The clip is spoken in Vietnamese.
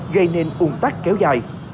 gây nên uồn tắc kéo dài